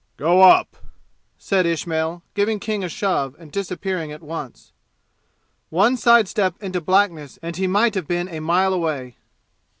"Go up!" said Ismail, giving King a shove and disappearing at once. One side step into blackness and he might have been a mile away.